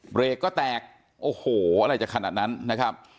เบรกก็แตกโอ้โหอะไรจะขนาดนั้นนะครับ